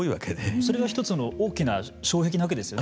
それが一つの大きな障壁なわけですよね。